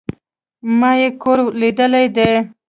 ما ئې کور ليدلى دئ